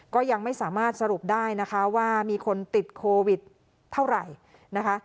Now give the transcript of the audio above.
ก็ยังไม่สามารถสรุปได้นะคะว่ามีคนติดโควิดเท่าไหร่นะคะ